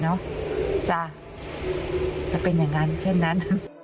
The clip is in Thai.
จ้ะจะเป็นอย่างนั้นเช่นนั้น